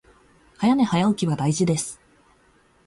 早寝早起きは大事です